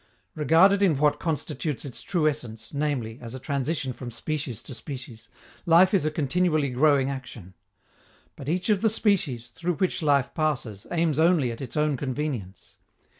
Regarded in what constitutes its true essence, namely, as a transition from species to species, life is a continually growing action. But each of the species, through which life passes, aims only at its own convenience.